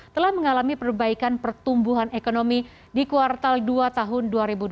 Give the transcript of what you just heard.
telah mengalami perbaikan pertumbuhan ekonomi di kuartal dua tahun dua ribu dua puluh